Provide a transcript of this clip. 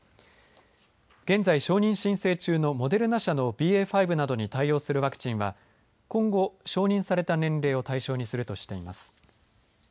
現在、承認申請中のモデルナ社のＢＡ．５などに対応するワクチンは今後、承認された年齢を対象にするとしています。